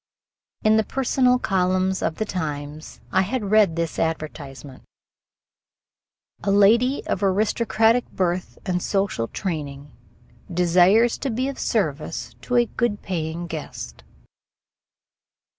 In the personal columns of the Times I had read this advertisement: 'A lady of aristocratic birth and social training desires to be of service to a good paying guest.'